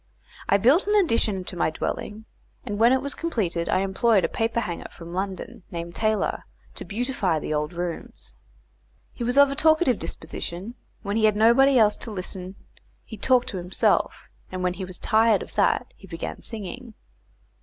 I built an addition to my dwelling; and when it was completed I employed a paperhanger from London named Taylor, to beautify the old rooms. He was of a talkative disposition; when he had nobody else to listen he talked to himself, and when he was tired of that he began singing.